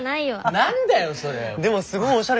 何だよそれ。